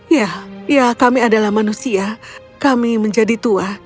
ya ya kami adalah manusia kami menjadi tua